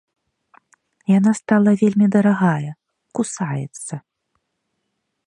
Яна стала вельмі дарагая, кусаецца.